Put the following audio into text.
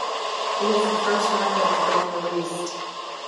It is the first record the band released.